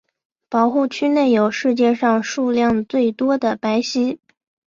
保护区内有世界上数量最多的白犀。